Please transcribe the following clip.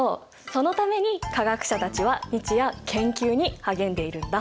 そのために科学者たちは日夜研究に励んでいるんだ。